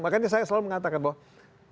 makanya saya selalu mengatakan bahwa